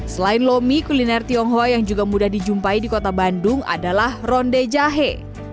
selain lomi kuliner tionghoa yang juga mudah dijumpai di kota bandung adalah ronde jahe